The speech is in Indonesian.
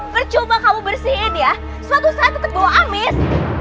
bercoba kamu bersihin ya suatu saat tetep bawa amis